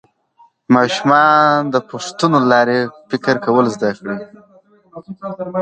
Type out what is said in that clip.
ماشومان د پوښتنو له لارې فکر کول زده کوي